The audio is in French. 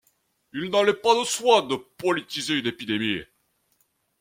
Il n'allait pas de soi de politiser une épidémie.